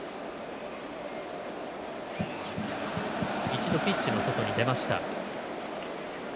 一度、ピッチの外に出ました。